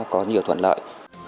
có nhiều thuận lợi